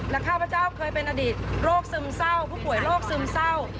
และข้าพเจ้าเคยเป็นอดีตโรคซึมเศร้าผู้ป่วยโรคซึมเศร้า